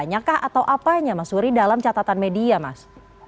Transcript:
nyakah atau apanya mas uri dalam catatan media mas